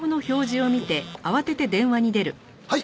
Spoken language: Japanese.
はい！